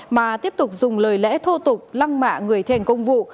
mà tiếp tục dùng lời lẽ thô tục lăng mạ người thi hành công vụ